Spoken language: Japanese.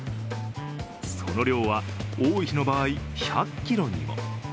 その量は多い日の場合、１００ｋｇにも。